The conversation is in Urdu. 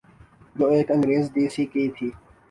جو ایک انگریز ڈی سی کی تھی۔